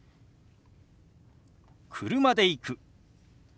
「車で行く」。